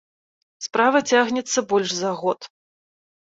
Справа цягнецца больш за год.